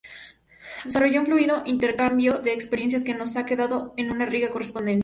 Desarrolló un fluido intercambio de experiencias que nos ha quedado en una rica correspondencia.